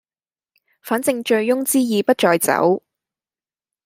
反正醉翁之意不在酒